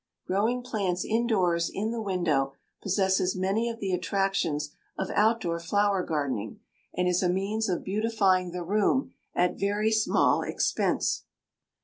= Growing plants indoors in the window possesses many of the attractions of outdoor flower gardening, and is a means of beautifying the room at very small expense.